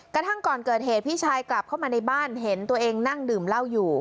กระทั่งก่อนเกิดเหตุพี่ชายกลับเข้ามาในบ้านเห็นตัวเองนั่งดื่มเหล้าอยู่